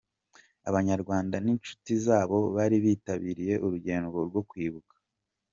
Abanyarwanda n’inshuti zabo bari bitabiriye urugendo rwo kwibuka.